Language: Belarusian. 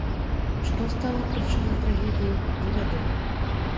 Што стала прычынай трагедыі, невядома.